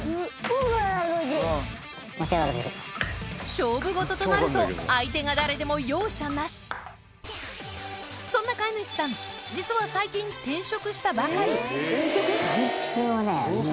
勝負事となると相手が誰でも容赦なしそんな飼い主さん実ははいチーズ。